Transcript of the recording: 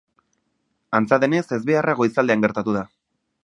Antza denez, ezbeharra goizaldean gertatu da.